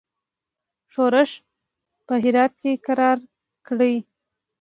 ښورښ په هرات کې کرار کړ.